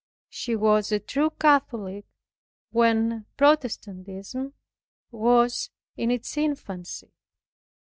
She was a true Catholic when protestantism was in its infancy.